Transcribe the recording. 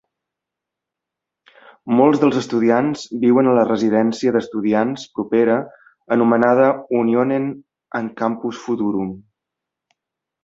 Molts dels estudiants viuen a la residència d'estudiants propera anomenada Unionen and Campus Futurum.